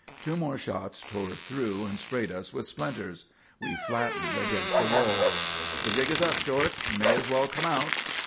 Two more shots tore through and sprayed us with splinters. We flattened against the wall. "The jig is up, Short; you may as well come out."